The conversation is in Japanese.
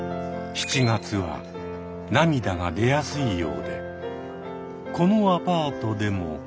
７月は涙が出やすいようでこのアパートでも。